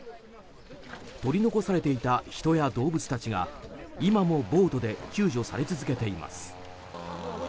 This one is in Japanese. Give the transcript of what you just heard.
取り残されていた人や動物たちが今もボートで救助され続けています。